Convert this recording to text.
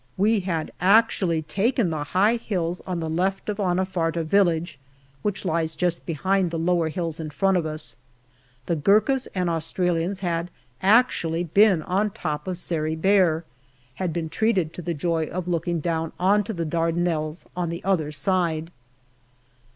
We had actually taken the high hills on the left of Anafarta Village, which lies just behind the lower hills in front of us. The Gurkhas and Australians had actually been on top of Sari Bair had been treated to the joy of looking down on to the Dardanelles on the other side.